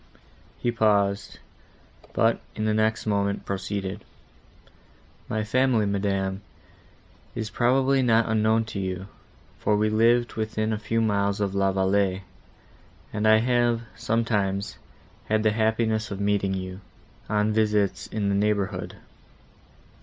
He paused, but, in the next moment, proceeded. "My family, madam, is probably not unknown to you, for we lived within a few miles of La Vallée, and I have, sometimes, had the happiness of meeting you, on visits in the neighbourhood.